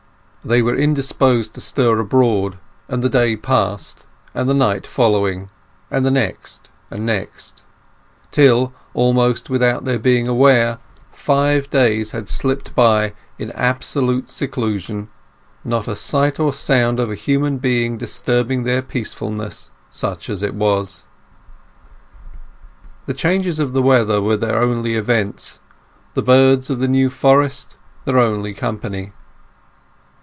They were indisposed to stir abroad, and the day passed, and the night following, and the next, and next; till, almost without their being aware, five days had slipped by in absolute seclusion, not a sight or sound of a human being disturbing their peacefulness, such as it was. The changes of the weather were their only events, the birds of the New Forest their only company.